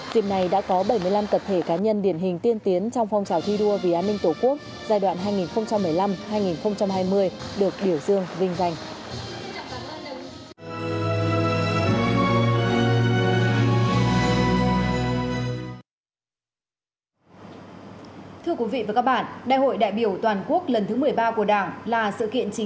tiếp này đã có bảy mươi năm tập thể cá nhân điển hình tiên tiến trong phong trào thi đua vì an ninh tổ quốc giai đoạn hai nghìn một mươi năm hai nghìn hai mươi được biểu dương vinh danh